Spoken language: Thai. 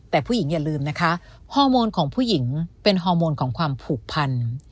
แต่ผู้หญิงอย่าลืมนะคะฮอร์โมนของผู้หญิงเป็นฮอร์โมนของความผูกพัน